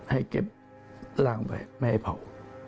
ให้เก็บร่างไปไม่ให้เผา